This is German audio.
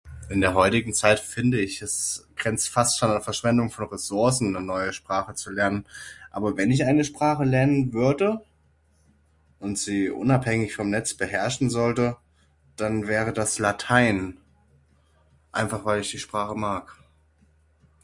In der heutigen Zeit finde ich es grenzt fast schon an Verschwendung von Ressourcen ne neue Sprache zu lernen. Aber wenn ich eine Sprache lernen würde und Sie unabhängig vom Netz Beherrschen sollte, dann wäre das Latein, einfach weil ich die Sprache mag.